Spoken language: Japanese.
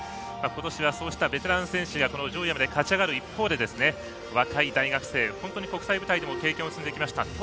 ことしはそうしたベテラン選手が上位まで勝ち上がる一方で若い大学生、本当に国際舞台でも経験を積んできました